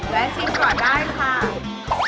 เดี๋ยวชิมก่อนได้ค่ะ